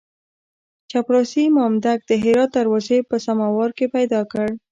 چپړاسي مامدک د هرات دروازې په سماوار کې پیدا کړ.